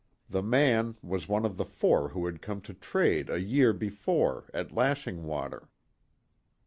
The man was one of the four who had come to trade a year before at Lashing Water.